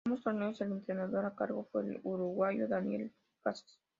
En ambos torneos, el entrenador a cargo fue el uruguayo Daniel Casas.